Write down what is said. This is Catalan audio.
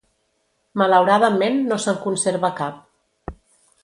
Malauradament no se'n conserva cap.